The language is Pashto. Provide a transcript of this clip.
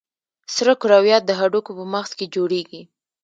سره کرویات د هډوکو په مغز کې جوړېږي.